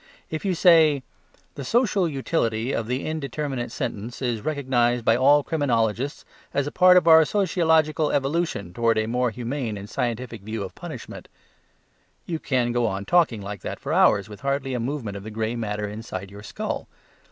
If you say "The social utility of the indeterminate sentence is recognized by all criminologists as a part of our sociological evolution towards a more humane and scientific view of punishment," you can go on talking like that for hours with hardly a movement of the gray matter inside your skull.